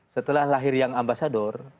setelah lahir yang ambasador